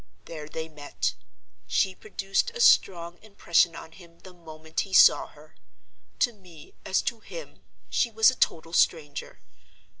There they met. She produced a strong impression on him the moment he saw her. To me, as to him, she was a total stranger.